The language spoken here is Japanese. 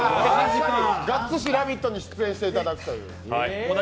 ガッツシ「ラヴィット！」に出演していただくという。